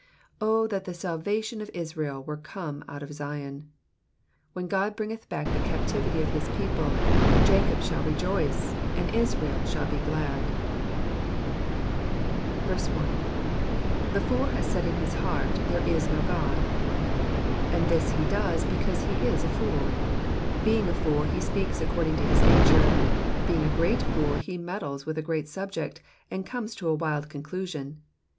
6 Oh that the salvation of Israel were come out of Zion ! When God bringeth back the captivity of his people, Jacob shall rejoice, and Israel shall be glad. 1 Digitized by VjOOQIC 2 EXPOSITIONS OF THE PSALMS. 1. The fool hath mid in his hearty There is no Ood,^^ And this he does because he is a fool. Being a fool he speaks according to his nature ; being a great fool he meddles with a great subject, and comes to a wild conclusion.